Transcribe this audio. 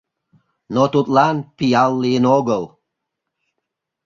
Но тудлан пиал лийын огыл.